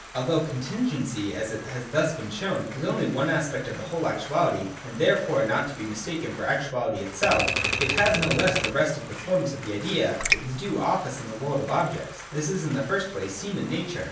265 Although contingency, as it has thus been shown, is only one aspect in the whole of actuality, and therefore not to be mistaken for actuaUty itself, it has no less than the rest of the forms of the idea its due office in the world of objects. This is, in the first place, seen in Nature.